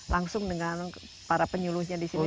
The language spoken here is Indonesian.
langsung dengan para penyulusnya di sini